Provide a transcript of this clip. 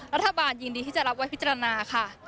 รัฐบาลยินดีที่จะรับไว้พิจารณาค่ะ